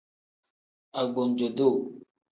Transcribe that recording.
Agbanjo-duu.